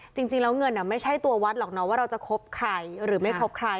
จริงแล้วเงินไม่ใช่ตัววัดหรอกนะว่าเราจะคบใครหรือไม่คบใคร